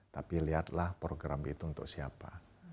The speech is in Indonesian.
tapi lihatlah program itu untuk siapa